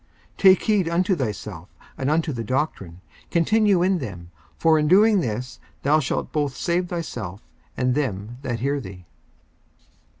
54:004:016 Take heed unto thyself, and unto the doctrine; continue in them: for in doing this thou shalt both save thyself, and them that hear thee.